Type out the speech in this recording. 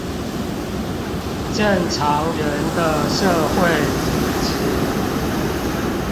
正常人的社會組織